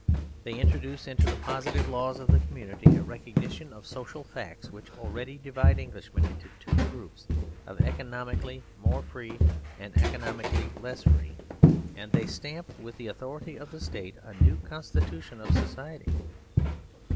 They introduce into the positive laws of the community a recognition of social facts which already divide Englishmen into two groups of economically more free and economically less free, and they stamp with the authority of the State a new constitution of society.